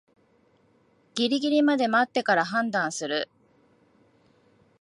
ギリギリまで待ってから判断する